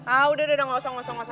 ah udah udah gak usah usah